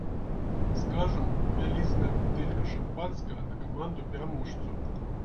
Скажам, вялізная бутэлька шампанскага на каманду-пераможцу.